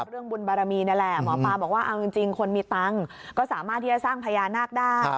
เรื่องบุญบารมีนั่นแหละหมอปลาบอกว่าเอาจริงคนมีตังค์ก็สามารถที่จะสร้างพญานาคได้